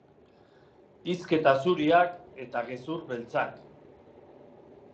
Hizketa zuriak eta gezur beltzak.